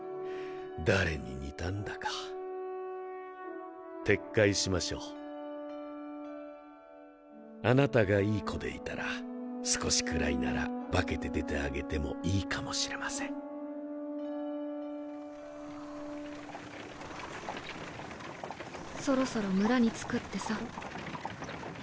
誰に似たんだか撤回しましょうあなたがいい子でいたら少しくらいなら化けて出てあげてもいいかもしれませんそろそろ村に着くってさ。